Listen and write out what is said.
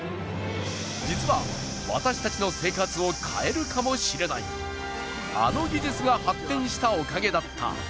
実は、私たちの生活を変えるかもしれないあの技術が発展したおかげだった。